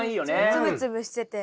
つぶつぶしてて。